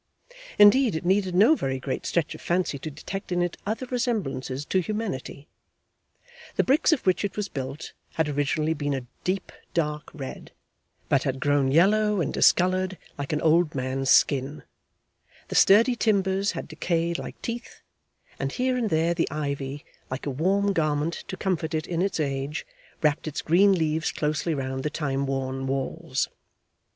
Indeed, it needed no very great stretch of fancy to detect in it other resemblances to humanity. The bricks of which it was built had originally been a deep dark red, but had grown yellow and discoloured like an old man's skin; the sturdy timbers had decayed like teeth; and here and there the ivy, like a warm garment to comfort it in its age, wrapt its green leaves closely round the time worn walls.